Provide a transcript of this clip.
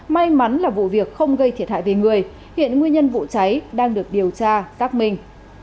may mắn là vụ việc không gây thiệt hại về người hiện nguyên nhân vụ cháy đang được điều tra xác minh